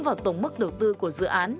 vào tổng mức đầu tư của dự án